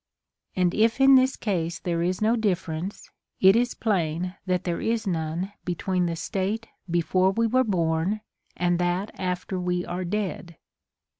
And if in this case there is no difference, it is plain that there is none between the state be fore we were born and that after we are dead.